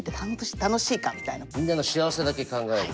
みんなの幸せだけ考える。